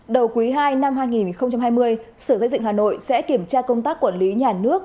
đầu quý ii năm hai nghìn hai mươi sở dây dựng hà nội sẽ kiểm tra công tác quản lý nhà nước